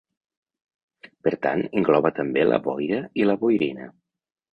Per tant engloba també la boira i la boirina.